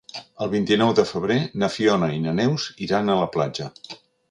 El vint-i-nou de febrer na Fiona i na Neus iran a la platja.